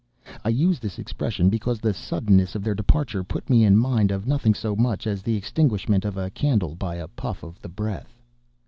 I use this expression, because the suddenness of their departure put me in mind of nothing so much as the extinguishment of a candle by a puff of the breath.